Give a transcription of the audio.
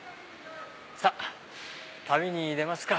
さぁ旅に出ますか。